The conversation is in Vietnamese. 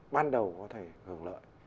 ban đầu có thể hưởng lợi